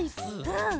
うん。